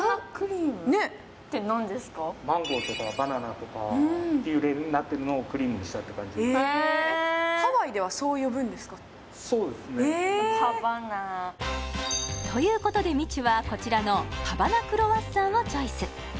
マンゴーとかバナナとかピューレになってるのをクリームにしたって感じへえへえパバナということでみちゅはこちらのパバナクロワッサンをチョイス